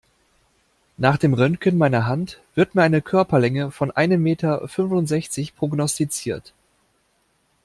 Nach dem Röntgen meiner Hand wird mir eine Körperlänge von einem Meter fünfundsechzig prognostiziert.